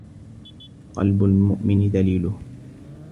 قلب المؤمن دليله